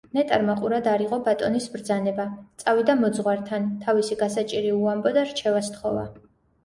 ნეტარმა ყურად არ იღო ბატონის ბრძანება, წავიდა მოძღვართან, თავისი გასაჭირი უამბო და რჩევა სთხოვა.